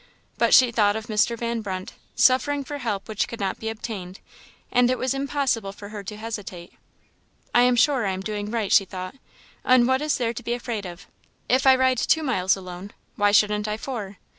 But she thought of Mr. Van Brunt, suffering for help which could not be obtained, and it was impossible for her to hesitate. "I am sure I am doing right," she thought; "and what is there to be afraid of? If I ride two miles alone, why shouldn't I four?